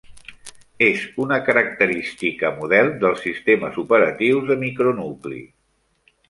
És una característica model dels sistemes operatius de micro-nucli.